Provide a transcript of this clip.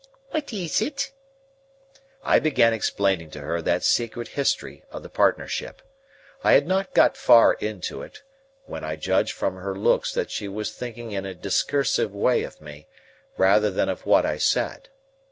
"What is it?" I began explaining to her that secret history of the partnership. I had not got far into it, when I judged from her looks that she was thinking in a discursive way of me, rather than of what I said.